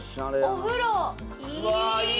お風呂。